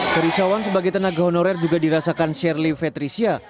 kerisauan sebagai tenaga honorer juga dirasakan shirley fetricia